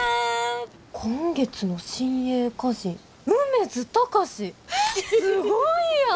「今月の新鋭歌人梅津貴司」！えっすごいやん！